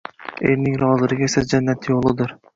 Erning roziligi esa jannat yo‘lidir